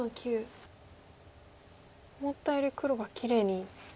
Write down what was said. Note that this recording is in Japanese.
思ったより黒がきれいにシノいだ。